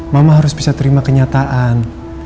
mama harus bisa terima kenyataan